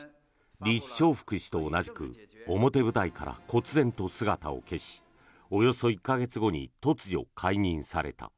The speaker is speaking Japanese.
リ・ショウフク氏と同じく表舞台からこつぜんと姿を消しおよそ１か月後に突如解任された。